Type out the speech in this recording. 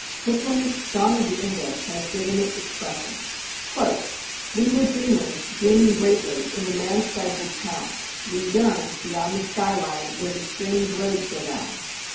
Kipling's "Song of the English" has given it expression: "We were dreamers, dreaming greatly, in the man stifled town; We yearned beyond the sky line where the strange roads go down.